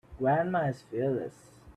Grandma is fearless.